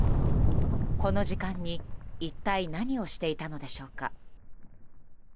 この時間に一体何をしていたのでしょうか。